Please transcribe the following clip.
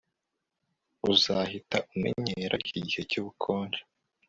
Uzahita umenyera iki gihe cyubukonje